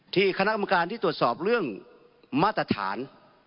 คณะกรรมการที่ตรวจสอบเรื่องมาตรฐาน